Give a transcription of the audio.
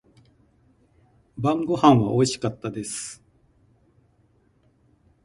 晩御飯は美味しかったです。